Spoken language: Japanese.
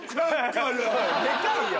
でかいよ。